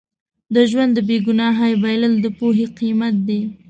د ژوند د بې ګناهۍ بایلل د پوهې قیمت دی.